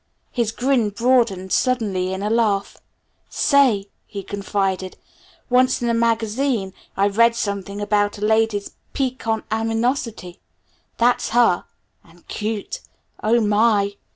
His grin broadened suddenly in a laugh. "Say," he confided, "once in a magazine I read something about a lady's 'piquant animosity'. That's her! And cute? Oh, my!"